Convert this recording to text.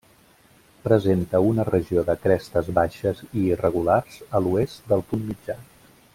Presenta una regió de crestes baixes i irregulars a l'oest del punt mitjà.